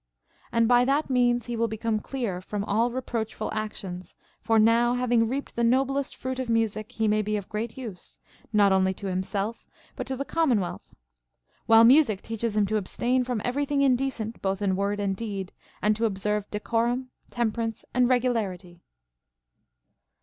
And by that means he will become clear from all reproachful actions, for now having reaped the noblest fruit of music, he may be of great use, not only to himself but to the commonwealth ; while music teaches him to ab stain from every thing indecent both in Avord and deed, and to observe decorum, temperance, and regularity.